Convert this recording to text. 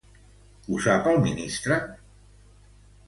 Ho sap el ministre?